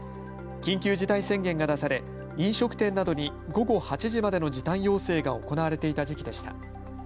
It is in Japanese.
緊急事態宣言が出され飲食店などに午後８時までの時短要請が行われていた時期でした。